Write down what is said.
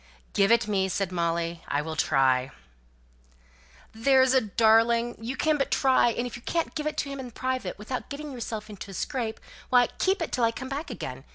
"Give it me!" said Molly. "I will try." "There's a darling! You can but try; and if you can't give it to him in private, without getting yourself into a scrape, why, keep it till I come back again.